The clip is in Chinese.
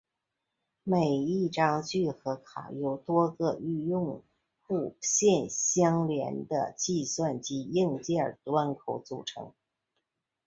每一张聚合卡由多个与用户线相连的计算机硬件端口组成。